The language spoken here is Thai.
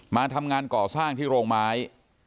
มาทำงานก่อสร้างที่โรงไม้